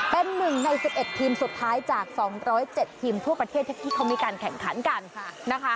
เป็น๑ใน๑๑ทีมสุดท้ายจาก๒๐๗ทีมทั่วประเทศที่เขามีการแข่งขันกันนะคะ